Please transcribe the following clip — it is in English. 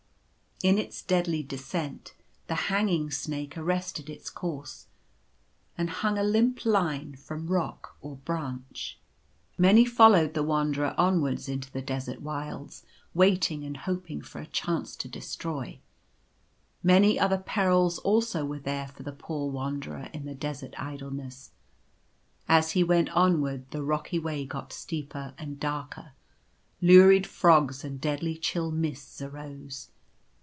In its deadly descent the hanging snake arrested its course, and hung a limp line from rock or branch. u 146 The Golden Gate called Truth. Many followed the Wanderer onwards into the desert wilds, waiting and hoping for a chance to destroy. Many other perils also were there for the poor Wanderer in the desert idleness. As he went onward the rocky way got steeper and darker. Lurid fogs and deadly chill mists arose.